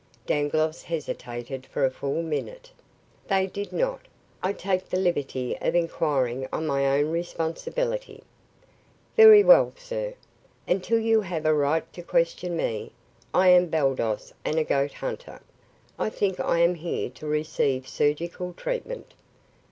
Dangloss hesitated for a full minute. "They did not. I take the liberty of inquiring on my own responsibility." "Very well, sir. Until you have a right to question me, I am Baldos and a goat hunter. I think I am here to receive surgical treatment."